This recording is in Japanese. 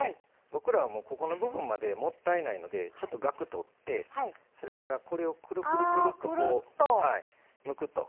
オクラは、ここの部分までもったいないのでちょっとガクを取って、それからこれをくるくるくるっとむくと。